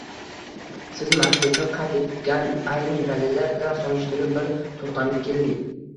Siz maktubda qayd etgan ayrim dalillar bilan solishtirib bir to‘xtamga keldik.